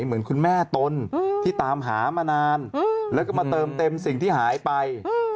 เหมือนคุณแม่ตนที่ตามหามานานแล้วก็มาเติมเต็มสิ่งที่หายไป